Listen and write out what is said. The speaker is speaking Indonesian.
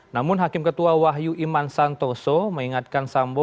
namun hakim ketua wahyu iman santoso mengingatkan sambo